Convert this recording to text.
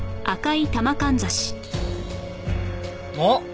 あっ！